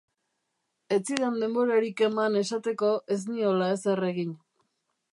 Ez zidan denborarik eman esateko ez niola ezer egin.